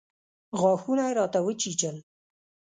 غاښونه يې راته وچيچل.